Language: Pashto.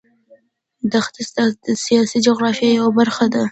دښتې د سیاسي جغرافیه یوه برخه ده.